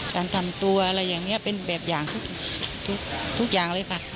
การทำตัวอะไรอย่างนี้เป็นแบบอย่างทุกอย่างเลยค่ะ